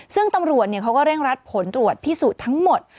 ซึ่งตำรวจเขาก็เร่งรัดผลตรวจพิสูจน์ทั้งหมด